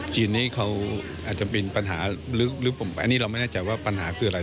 จีนนี้เขาอาจจะเป็นปัญหาลึกอันนี้เราไม่แน่ใจว่าปัญหาคืออะไร